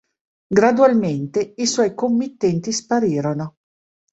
Gradualmente, i suoi committenti sparirono.